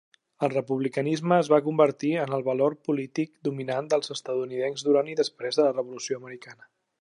El republicanisme es va convertir en el valor polític dominant dels estatunidencs durant i després de la Revolució Americana.